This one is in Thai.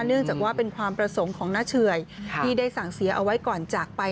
เนื่องจากว่าเป็นความประสงค์ของน้าเฉื่อยที่ได้สั่งเสียเอาไว้ก่อนจากไป